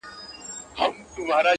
• اوس به له چا سره کیسه د شوګیریو کوم -